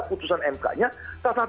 putusan mk nya